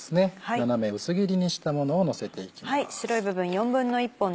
斜め薄切りにしたものをのせていきます。